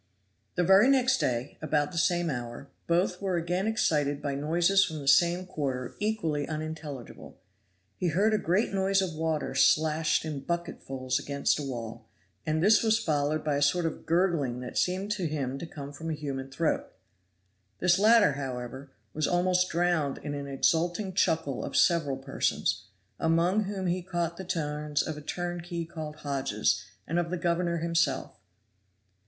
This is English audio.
The very next day, about the same hour, both were again excited by noises from the same quarter equally unintelligible. He heard a great noise of water slashed in bucketsful against a wall, and this was followed by a sort of gurgling that seemed to him to come from a human throat; this latter, however, was almost drowned in an exulting chuckle of several persons, among whom he caught the tones of a turnkey called Hodges and of the governor himself.